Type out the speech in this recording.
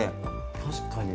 確かに。